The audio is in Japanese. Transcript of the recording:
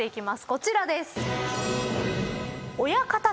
こちらです。